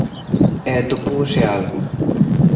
E atopou ese algo.